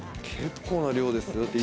結構な量ですよ。